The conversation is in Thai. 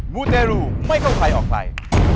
มูเตรูไม่เข้าใครออกใคร